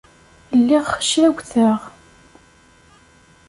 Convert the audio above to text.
Lliɣ xcawteɣ.